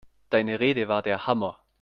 Deine Rede war der Hammer!